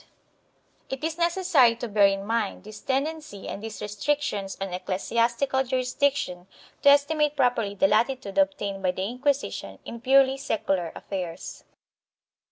IV] LATITUDE IN SECULAR AFFAIRS 429 It is necessary to bear in mind this tendency and these restric tions on ecclesiastical jurisdiction to estimate properly the lati tude obtained by the Inquisition in purely secular affairs.